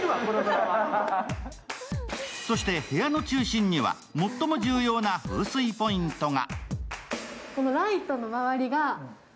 そして部屋の中心には、最も重要な風水ポイントが。